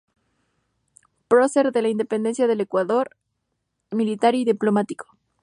Prócer de la independencia del Ecuador, militar y diplomático.